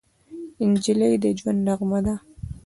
نجلۍ د ژونده نغمه ده.